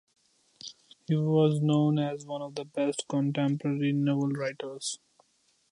He was known as one of the best contemporary novel writers.